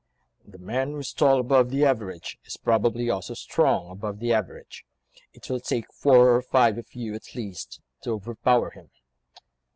"The man who is tall above the average is probably also strong above the average; it will take four or five of you at least to overpower him."